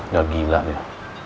nggak gila dia